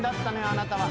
あなたは。